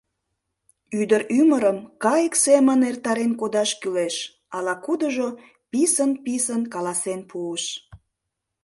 — Ӱдыр ӱмырым кайык семын эртарен кодаш кӱлеш, — ала-кудыжо писын-писын каласен пуыш.